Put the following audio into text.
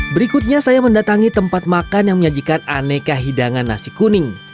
berikutnya saya mendatangi tempat makan yang menyajikan aneka hidangan nasi kuning